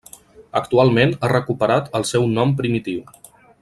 Actualment ha recuperat el seu nom primitiu.